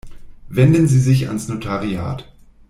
Wenden Sie sich ans Notariat.